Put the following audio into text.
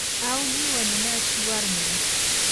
awlli wanunachi warmin.